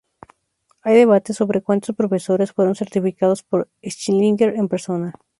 Hay debates sobre cuántos profesores fueron certificados por Schillinger en persona.